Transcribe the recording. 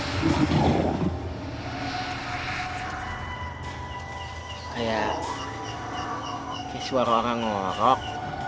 kayak kayak suara orang n thoaak